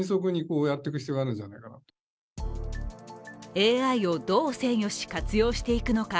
ＡＩをどう制御し活用していくのか。